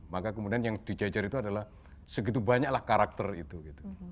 maka kemudian yang dijajar itu adalah segitu banyaklah karakter itu gitu